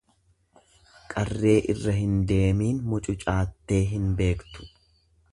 Qarree irra hin deemiin mucucaattee hin beektu.